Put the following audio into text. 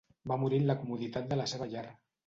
Va morir en la comoditat de la seva llar.